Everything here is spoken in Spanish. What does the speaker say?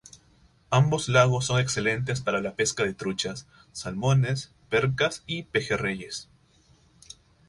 Ambos Lagos son excelentes para la pesca de Truchas, Salmones, Percas y Pejerreyes.